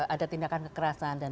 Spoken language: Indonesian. ada tindakan kekerasan dan